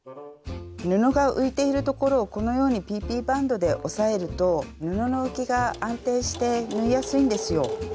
布が浮いているところをこのようにＰＰバンドで押さえると布の浮きが安定して縫いやすいんですよ。